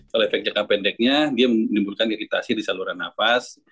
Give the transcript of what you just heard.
kalau efek jangka pendeknya dia menimbulkan iritasi di saluran nafas